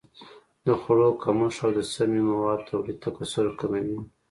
د خوړو کمښت او د سمي موادو تولید تکثر کموي.